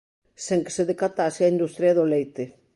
Sen que se decatase a industria do leite.